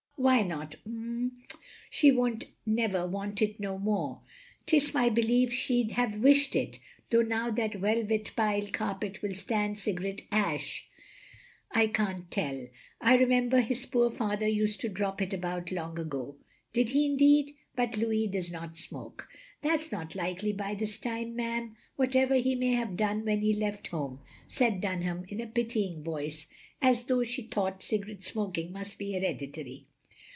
"Why not 'm? She won't never want it no more. 'T is my belief she 'd have wished it. Though how that velvet pile carpet will stand cigarette ash I can't tell. I remember his poor father used to drop it about long ago. " "Did he indeed? But Louis does not smoke." "That 's not likely by this time, ma'am, what ever he may have done when he left home, " said Dunham, in a pitying voice, as though she thought cigarette smoking must be hereditary.